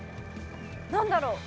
何だろう。